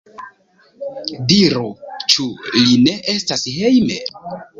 Diru, ĉu li ne estas hejme?